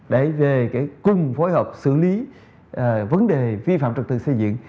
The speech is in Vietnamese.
để về cùng phối hợp xử lý vấn đề vi phạm trật tự xây dựng